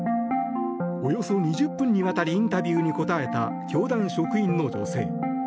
およそ２０分にわたりインタビューに答えた教団職員の女性。